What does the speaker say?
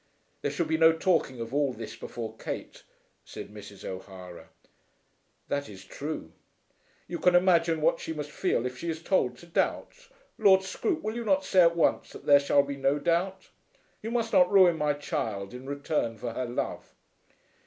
"There should be no talking of all this before Kate," said Mrs. O'Hara. "That is true." "You can imagine what she must feel if she is told to doubt. Lord Scroope, will you not say at once that there shall be no doubt? You must not ruin my child in return for her love!"